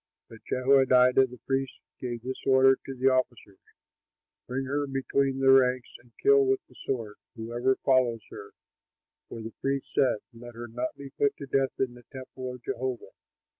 But Jehoiada the priest gave this order to the officers: "Bring her out between the ranks, and kill with the sword whoever follows her," for the priest said, "Let her not be put to death in the temple of Jehovah."